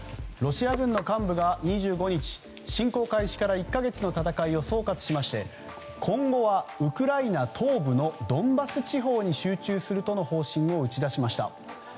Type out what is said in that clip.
ロシア軍の幹部が２５日侵攻開始から１か月の戦いを総括しまして、今後はウクライナ東部のドンバス地方に集中するとの方針を打ち出しました。